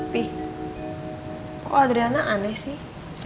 tapi kok adriana aneh sih